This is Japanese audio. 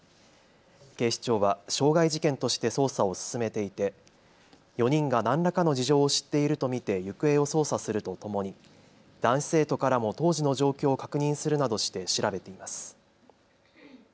警視庁は傷害事件として捜査を進めていて４人が何らかの事情を知っていると見て行方を捜査するとともに男子生徒からも当時の状況を確認するなどして調べています。